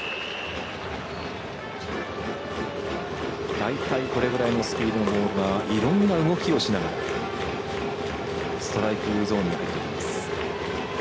大体、これぐらいのスピードのボールがいろんな動きをしながらストライクゾーンに入ってきます。